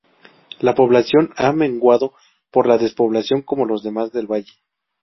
La población ha menguado por la despoblación como los demás del valle.